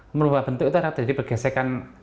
merubah bentuk itu artinya bergesekan